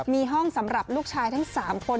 มีห้องสำหรับลูกชายทั้ง๓คน